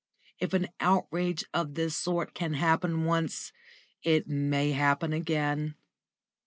If an outrage of this sort can happen once, it may again.